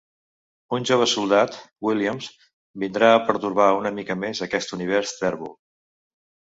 Un jove soldat, Williams, vindrà a pertorbar una mica més aquest univers tèrbol.